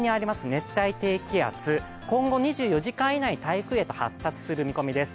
熱帯低気圧今後２４時間以内に台風へと発達する見込みです